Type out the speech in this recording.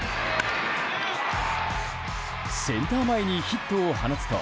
センター前にヒットを放つと。